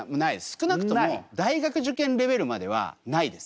少なくとも大学受験レベルまではないです。